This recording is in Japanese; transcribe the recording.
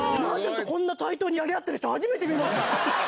対等にやり合ってる人、初めて見ました。